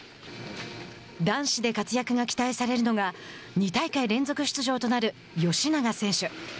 男子で活躍が期待されるのが２大会連続出場となる吉永選手。